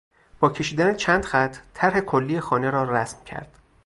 با کشیدن چند خط طرح کلی خانه را رسم کرد.